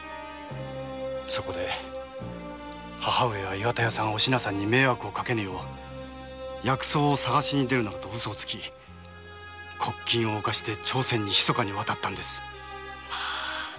そこで母上や皆さんに迷惑かけぬよう「薬草を探しに出る」と嘘をつき国禁を犯して朝鮮にひそかに渡ったのです。